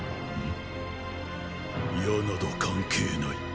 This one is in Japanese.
矢など関係ない。！